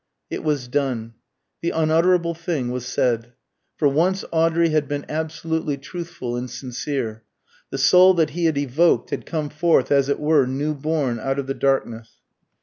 It was done. The unutterable thing was said. For once Audrey had been absolutely truthful and sincere. The soul that he had evoked had come forth as it were new born out of the darkness.